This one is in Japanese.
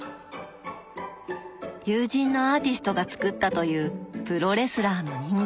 友人のアーティストが作ったというプロレスラーの人形。